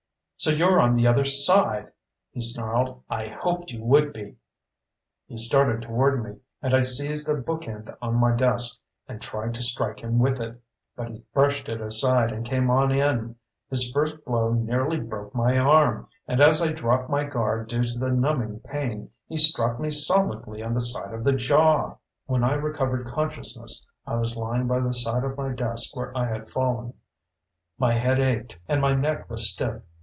"So you're on the other side," he snarled. "I hoped you would be." He started toward me and I seized a bookend on my desk and tried to strike him with it. But he brushed it aside and came on in. His first blow nearly broke my arm and as I dropped my guard due to the numbing pain, he struck me solidly on the side of the jaw. When I recovered consciousness, I was lying by the side of my desk where I had fallen. My head ached and my neck was stiff.